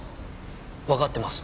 わかってます。